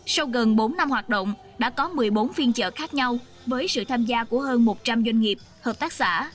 sau gần bốn năm hoạt động đã có một mươi bốn phiên chợ khác nhau với sự tham gia của hơn một trăm linh doanh nghiệp hợp tác xã